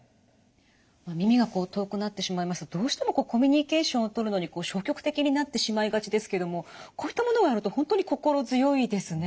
耳が遠くなってしまいますとどうしてもコミュニケーションをとるのに消極的になってしまいがちですけどもこういったものがあると本当に心強いですね。